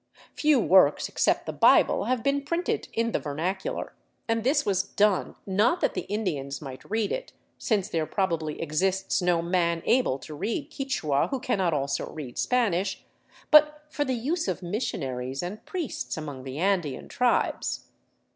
Few works except the Bible have been printed in the vernacular ; and this was done not that the Indians might read it, since there probably exists no man able to read Quichua who cannot also read Spanish, but for the use of missionaries and priests among the Andean tribes.